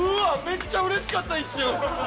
めっちゃうれしかった一瞬。